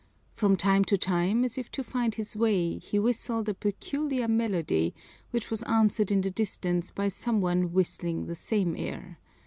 From time to time, as if to find his way, he whistled a peculiar melody, which was answered in the distance by some one whistling the same air.